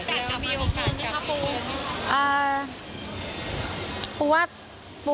แล้วมีโอกาสยังไงครับปู